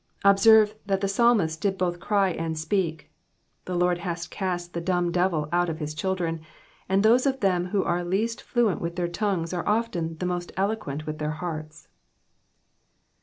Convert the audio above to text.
Observe that the psalmist did both cry and speak ; the Lord has cast the dumb devil out of his children, and those of them who are least fluent with their tongues are often the most eloquent with their hearts.